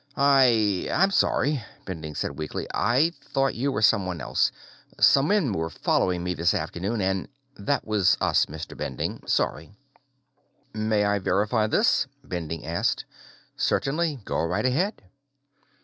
"I ... I'm sorry," Bending said weakly. "I thought you were someone else. Some men were following me this afternoon, and " "That was us, Mr. Bending. Sorry." "May I verify this?" Bending asked. "Certainly. Go right ahead."